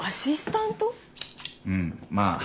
うんまあ